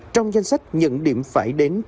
trong danh sách những điểm phải đến